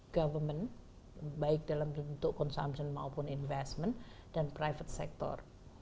government baik dalam bentuk consumption maupun investment dan private sector